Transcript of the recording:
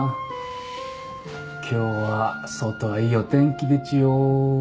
今日は外はいいお天気でちゅよ。